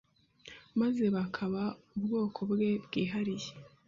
maze bakaba ubwoko Bwe bwihariye.